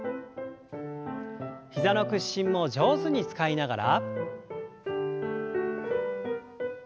膝の屈伸も上手に使いながら。